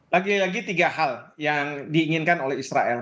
lagi lagi tiga hal yang diinginkan oleh israel